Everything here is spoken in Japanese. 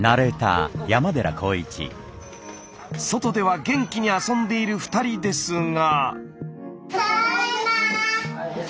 外では元気に遊んでいる２人ですが。